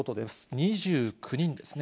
２９人ですね。